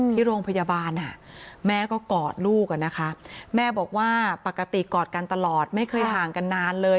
ที่โรงพยาบาลแม่ก็กอดลูกอะนะคะแม่บอกว่าปกติกอดกันตลอดไม่เคยห่างกันนานเลย